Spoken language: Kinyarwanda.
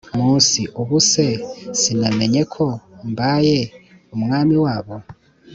munsi ubu se sinamenye ko mbaye umwami wabo